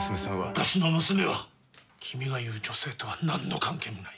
私の娘は、君が言う女性とはなんの関係もない。